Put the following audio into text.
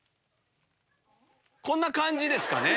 こんな感じですかね。